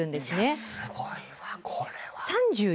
すごいなこれは。